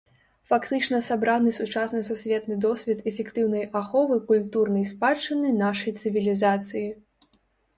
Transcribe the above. Фактычна сабраны сучасны сусветны досвед эфектыўнай аховы культурнай спадчыны нашай цывілізацыі.